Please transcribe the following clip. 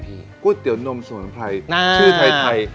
ชื่อไทย